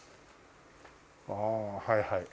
ああはいはい。